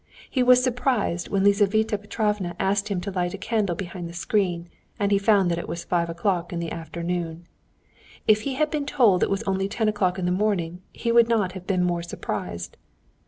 He was surprised when Lizaveta Petrovna asked him to light a candle behind a screen, and he found that it was five o'clock in the afternoon. If he had been told it was only ten o'clock in the morning, he would not have been more surprised.